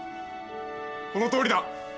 このとおりだ。